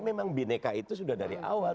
memang bineka itu sudah dari awal